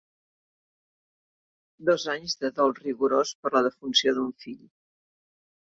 Dos anys de dol rigorós per la defunció d'un fill.